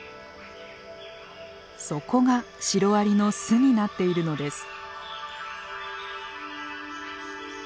そこがシロアリの巣になっているのです。